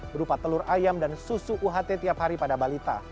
berupa telur ayam dan susu uht tiap hari pada balita